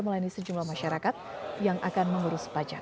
melayani sejumlah masyarakat yang akan mengurus pajak